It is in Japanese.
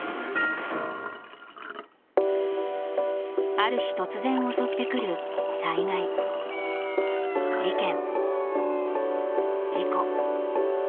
ある日突然襲ってくる災害事件事故。